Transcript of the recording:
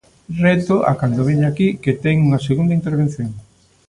Rétoo a cando veña aquí, que ten unha segunda intervención.